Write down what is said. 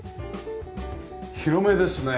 広めですね。